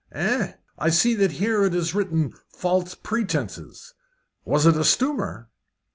"Eh, I see that here it is written 'false pretences.' Was it a stumer?"